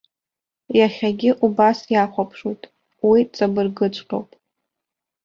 Иахьагьы убас иахәаԥшуеит, уи ҵабыргыҵәҟьоуп.